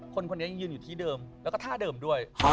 คนนี้ยังยืนอยู่ที่เดิมแล้วก็ท่าเดิมด้วย